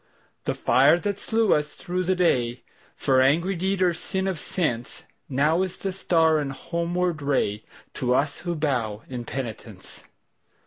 The fire that slew us through the dayFor angry deed or sin of senseNow is the star and homeward rayTo us who bow in penitence.